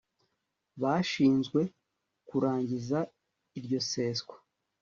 bashinzwe kurangiza iryo seswa